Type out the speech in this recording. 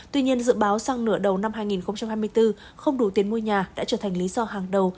tuy nhiên dự báo sang nửa đầu năm hai nghìn hai mươi bốn không đủ tiền mua nhà đã trở thành lý do hàng đầu